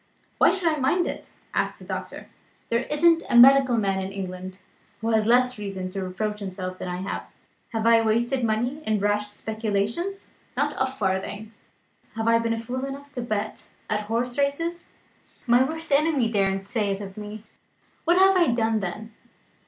"Why should I mind it?" asked the doctor. "There isn't a medical man in England who has less reason to reproach himself than I have. Have I wasted money in rash speculations? Not a farthing. Have I been fool enough to bet at horse races? My worst enemy daren't say it of me. What have I done then?